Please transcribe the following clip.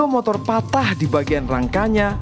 dua motor patah di bagian rangkanya